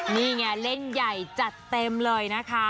นี่ไงเล่นใหญ่จัดเต็มเลยนะคะ